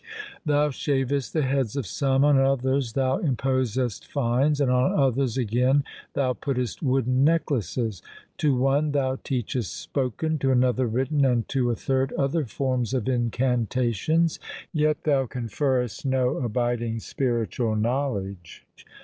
Thou shavest the heads of some, on others thou imposest fines, and on others again thou puttest wooden necklaces. To one thou teachest spoken, to another written, and to a third other forms of incantations, yet thou conferrest no abiding spiritual knowledge.